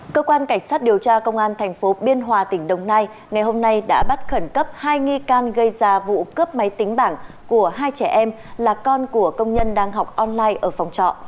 cơ quan cảnh sát điều tra công an thành phố biên hòa tỉnh đồng nai ngày hôm nay đã bắt khẩn cấp hai nghi can gây ra vụ cướp máy tính bảng của hai trẻ em là con của công nhân đang học online ở phòng trọ